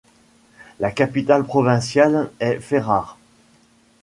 La capitale provinciale est Ferrare.